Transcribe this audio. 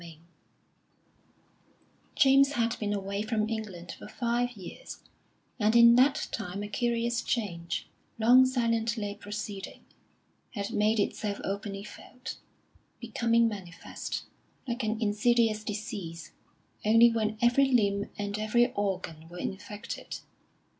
VI James had been away from England for five years; and in that time a curious change, long silently proceeding, had made itself openly felt becoming manifest, like an insidious disease, only when every limb and every organ were infected.